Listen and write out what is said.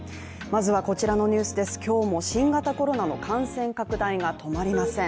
まずはこちらのニュースです、今日も新型コロナの感染拡大が止まりません。